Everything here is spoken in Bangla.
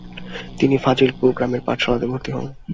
তিনি ফাজিলপুর গ্রামের পাঠশালাতে ভর্তি হন।